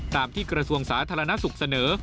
ตามที่กระทรวงสาธารณสุขเสนอ